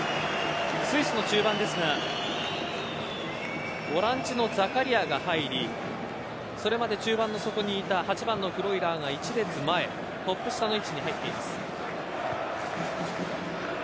スイスの中盤ですがボランチのザカリアが入りそれまで中盤の底にいた８番のフロイラーが１列前トップ下の位置に入っています。